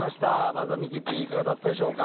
まずはミキティいかがだったでしょうか